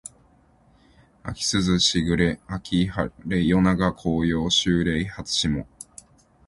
秋涼秋雨秋晴夜長紅葉秋麗初霜